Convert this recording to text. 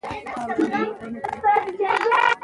انتقادي سمون په عربي تصحیح حاسم بولي.